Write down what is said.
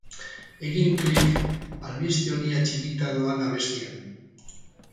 Egin klik albiste honi atxikita doan abestian!